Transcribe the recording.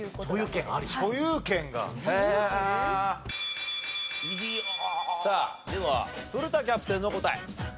所有権？さあでは古田キャプテンの答え。